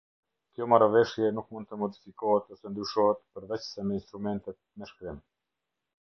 Kjo Marrëveshje nuk mund të modifikohet ose ndryshohet përveçse me instrumente me shkrim.